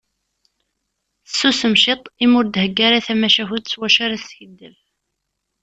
Tessusem ciṭ imi ur d-thegga ara tamacahut s wacu ara teskiddeb.